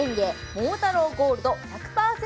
桃太郎ゴールド１００％